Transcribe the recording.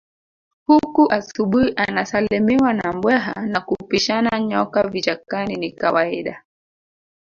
Huku asubuhi anasalimiwa na mbweha na kupishana nyoka vichakani ni kawaida